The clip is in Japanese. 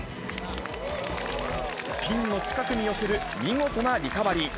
ピンの近くに寄せる見事なリカバリー。